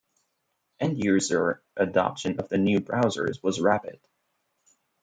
End-user adoption of the new browsers was rapid.